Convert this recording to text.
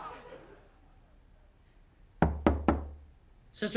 ・・社長。